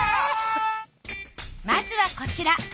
まずはこちら。